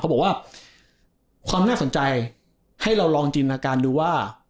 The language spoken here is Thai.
บอกว่าความน่าสนใจให้เราลองจินตนาการดูว่า